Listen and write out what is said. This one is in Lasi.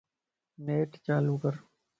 نيٽ چالو ڪر